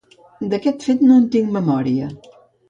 D'aquest fet, no en tinc memòria.